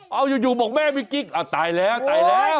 เอาอยู่บอกแม่มีกิ๊กเอาตายแล้วตายแล้ว